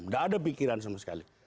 gak ada pikiran sama sekali